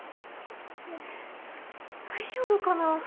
えぇ大丈夫かな？